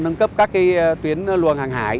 nâng cấp các tuyến luồng hàng hải